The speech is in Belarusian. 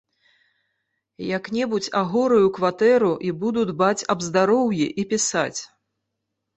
Як-небудзь агораю кватэру і буду дбаць аб здароўі і пісаць.